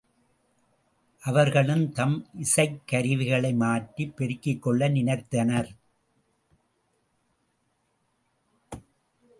அவர்களும் தம் இசைக்கருவிகளை மாற்றிப் பெருக்கிக் கொள்ள நினைத்தனர்.